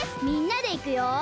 みんなでいくよ！